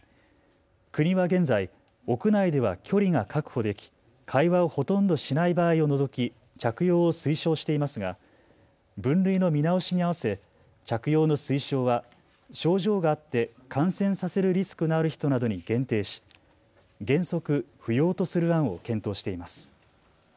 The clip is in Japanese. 国は現在、屋内では距離が確保でき、会話をほとんどしない場合を除き着用を推奨していますが分類の見直しに合わせ着用の推奨は症状があって感染させるリスクのある人などに限定し原則不要とする案を検討しています。